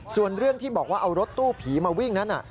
ส่วนเรื่องที่บอกว่าเอารถตู้ผีมาวิ่งนั้น